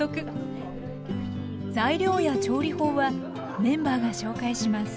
材料や調理法はメンバーが紹介します